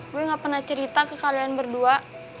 gue gak pernah cerita ke kalian berdua